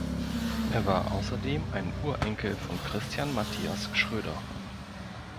Er war außerdem ein Urenkel von Christian Matthias Schröder.